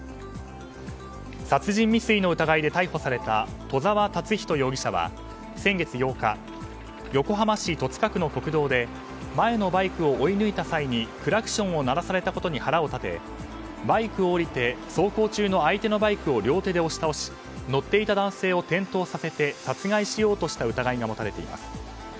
殺人未遂の疑いで逮捕された戸沢竜人容疑者は先月８日横浜市戸塚区の国道で前のバイクを追い抜いた際にクラクションを鳴らされたことに腹を立てバイクを降りて走行中の相手のバイクを両手で押し倒し乗っていた男性を転倒させて殺害しようとした疑いが持たれています。